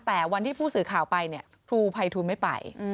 แต่วันที่ผู้สื่อข่าวไปเนี่ยครูภัยทูลไม่ไป